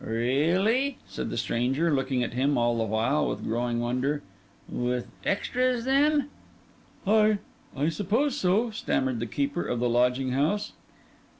'Really?' said the stranger, looking at him all the while with growing wonder. 'Without extras, then?' 'I—I suppose so,' stammered the keeper of the lodging house.